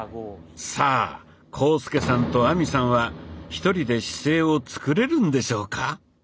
さあ浩介さんと亜美さんは一人で姿勢をつくれるんでしょうか？